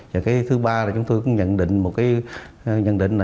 và cái thứ ba là chúng tôi cũng nhận định một cái nhận định